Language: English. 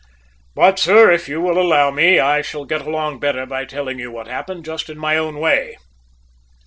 But, sir, if you will allow me, I shall get along better by telling you what happened, just in my own way!"